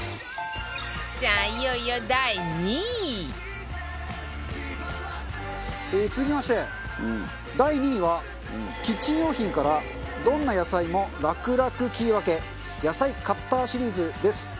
さあいよいよ第２位続きまして第２位はキッチン用品からどんな野菜も楽々切り分け野菜カッターシリーズです。